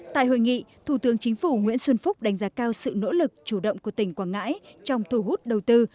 tại hội nghị thủ tướng chính phủ nguyễn xuân phúc đánh giá cao sự nỗ lực chủ động của tỉnh quảng ngãi trong thu hút đầu tư